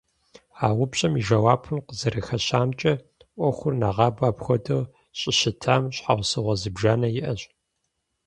А упщӀэм и жэуапым къызэрыхэщамкӀэ, Ӏуэхур нэгъабэ апхуэдэу щӀыщытам щхьэусыгъуэ зыбжанэ иӀэщ.